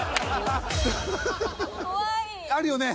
あるよね？